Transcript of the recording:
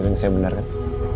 ini yang saya benarkan